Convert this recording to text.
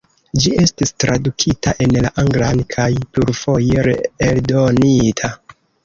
Ĝi estis tradukita en la anglan kaj plurfoje reeldonita.